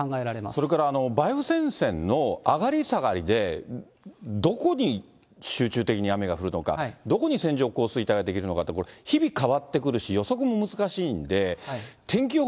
それから梅雨前線の上がり下がりで、どこに集中的に雨が降るのか、どこに線状降水帯が出来るのか、これ、日々変わってくるし、予測も難しいんで、天気予報